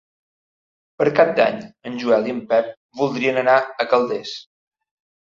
Per Cap d'Any en Joel i en Pep voldrien anar a Calders.